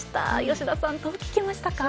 吉田さん、どう聞きましたか。